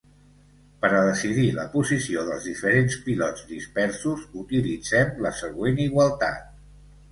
Per a decidir la posició dels diferents pilots dispersos utilitzem la següent igualtat.